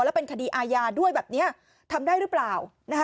แล้วเป็นคดีอาญาด้วยแบบนี้ทำได้หรือเปล่า